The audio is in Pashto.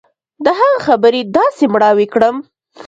د هغه خبرې داسې مړاوى کړم.